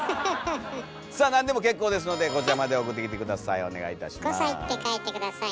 さあ何でも結構ですのでこちらまで送ってきて下さい。